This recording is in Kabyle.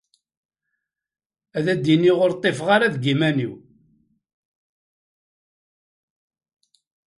Ad d-iniɣ ur ṭṭifeɣ ara deg iman-iw.